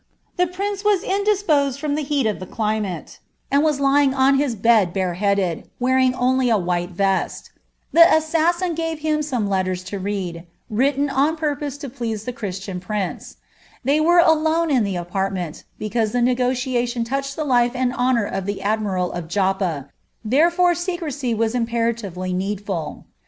The prince was indisposed from the heat of the climate, y^ing on his bed bareheaded, wearing only a white vest. The tve him some letters to read, written on purpose to please the prince. They were alone in the apartment, because the nego ached the life and honour of the admiral of Joppa, therefore as imperatively needful.